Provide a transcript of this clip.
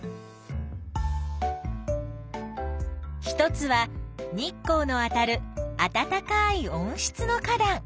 一つは日光のあたるあたたかい温室の花だん。